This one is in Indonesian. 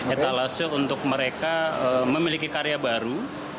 etalase untuk mereka memiliki karya baru